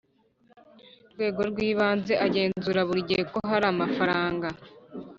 Rwego rw ibanze agenzura buri gihe ko hari amafaranga